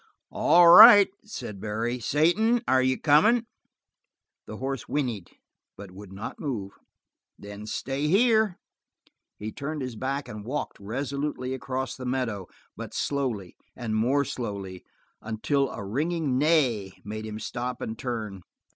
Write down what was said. "All right," said Barry. "Satan, are you comin'?" The horse whinnied, but would not move. "Then stay here." He turned his back and walked resolutely across the meadow, but slowly, and more slowly, until a ringing neigh made him stop and turn.